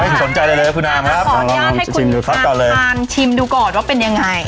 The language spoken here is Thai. ไม่สนใจเลยครูนามครับขออนุญาตให้คุณครับทานชิมดูก่อนว่าเป็นยังไง